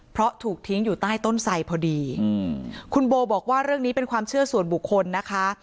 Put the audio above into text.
เพราะถูกทิ้งอยู่ใต้ต้นไสพอดีอืมคุณโบบอกว่าเรื่องนี้เป็นความเชื่อส่วนบุคคลนะคะ